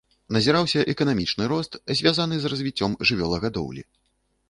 Назіраўся эканамічны рост, звязаны з развіццём жывёлагадоўлі.